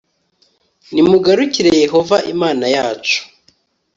nimugarukiren Yehova Imana yacu